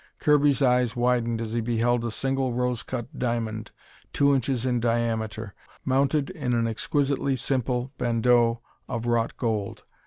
Kirby's eyes widened as he beheld a single rose cut diamond two inches in diameter, mounted in an exquisitely simple bandeau of wrought gold.